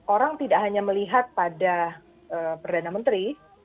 orang tidak hanya melihat pada perdana menteri